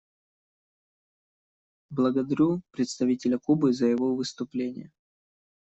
Благодарю представителя Кубы за его выступление.